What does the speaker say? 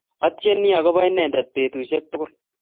Atieni agobo inendet betushek tugul